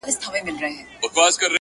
دطالع ستوری دي لوړ د لوی سلطان وي،